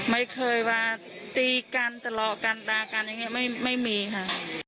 ไม่เคยว่าดีกันตลอกันรากันอย่างเนี่ยไม่ไม่มีค่ะ